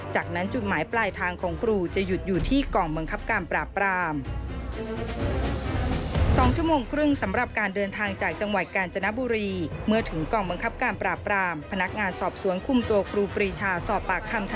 จากนั้นจุดหมายปลายทางของครูจะหยุดอยู่ที่กองบังคับการปราบราม